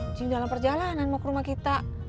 izin dalam perjalanan mau ke rumah kita